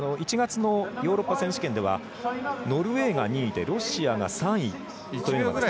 １月のヨーロッパ選手権ではノルウェーが２位でロシアが３位と。